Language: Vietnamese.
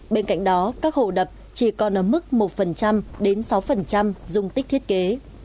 bên cạnh đó các hồ đập chỉ còn ở mức một đến sáu dùng tích thiết kế